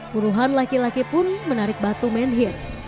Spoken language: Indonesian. puluhan laki laki pun menarik batu menhir